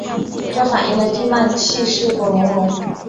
这反映了地幔楔是否熔融。